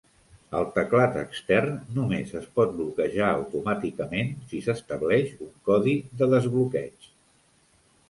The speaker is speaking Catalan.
El teclat extern només es pot bloquejar automàticament si s'estableix un codi de desbloqueig.